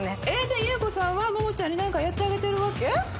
えっ？で優子さんはモモちゃんに何かやってあげてるわけ？